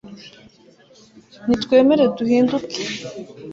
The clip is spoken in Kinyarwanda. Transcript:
nitwemere duhinduke